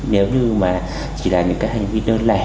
nếu như mà chỉ là những cái hành vi